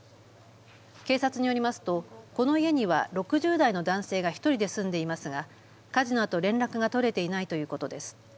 警察によりますと、この家には６０代の男性が１人で住んでいますが火事のあと連絡が取れていないということです。